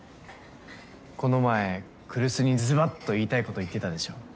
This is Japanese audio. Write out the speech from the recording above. この前来栖にずばっと言いたいこと言ってたでしょ。